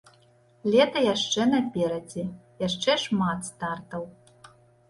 Лета яшчэ наперадзе, яшчэ шмат стартаў.